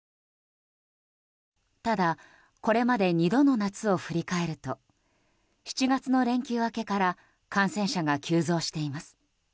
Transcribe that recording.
ただ、これまで２度の夏を振り返ると７月の連休明けから感染者が急増しています。